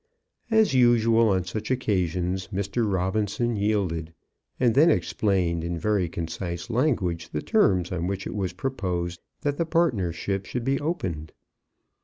As usual on such occasions Mr. Robinson yielded, and then explained in very concise language the terms on which it was proposed that the partnership should be opened.